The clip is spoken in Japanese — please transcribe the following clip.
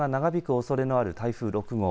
おそれのある台風６号。